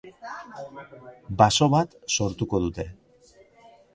Baso bat sortuko dute.